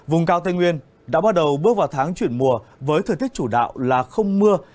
vùng cao tây nguyên đã bắt đầu bước vào tháng chuyển mùa với thời tiết chủ đạo là không mưa